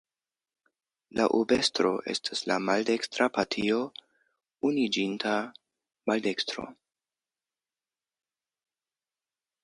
La urbestro estas de maldekstra partio Unuiĝinta Maldekstro.